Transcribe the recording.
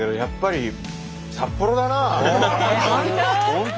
本当？